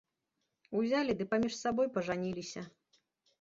Узялі ды паміж сабой пажаніліся.